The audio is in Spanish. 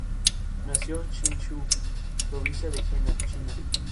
Nació en Zhengzhou, provincia de Henan, China.